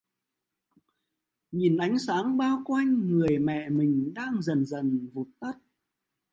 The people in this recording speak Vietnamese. Nhìn ánh sáng bao quanh người mẹ mình đang dần dần vụt tắt